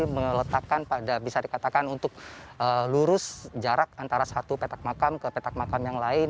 meletakkan pada bisa dikatakan untuk lurus jarak antara satu petak makam ke petak makam yang lain